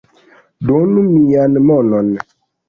Donu mian monon